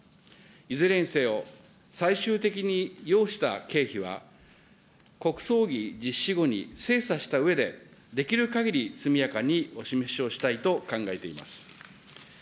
いずれにせよ、最終的に要した経費は国葬儀実施後に精査したうえで、できるかぎり速やかにお示しをしたいと考えています。